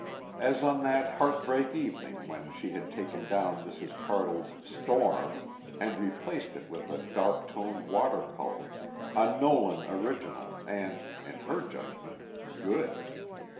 As on that heartbreak evening when she had taken down Mrs. Cardle's "Storm" and replaced it with a darktoned watercolor, a Nolan original and, in her judgment, good.